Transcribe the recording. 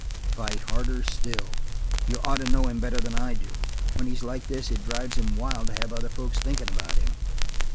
"Fight harder still. You ought to know him better than I do. When he's like this it drives him wild to have other folks thinkin' about him."